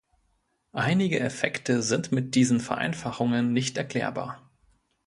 Einige Effekte sind mit diesen Vereinfachungen nicht erklärbar.